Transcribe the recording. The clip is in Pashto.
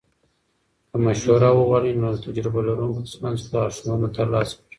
که مشوره وغواړې، نو له تجربه لرونکو کسانو څخه لارښوونه ترلاسه کړه.